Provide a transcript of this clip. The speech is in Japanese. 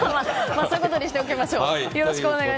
そういうことにしておきましょう。